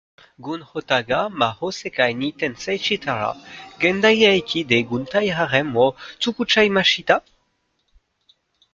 Gun-ota ga mahō sekai ni tensei shitara, gendai heiki de guntai Harem wo tsukutchaimashita!?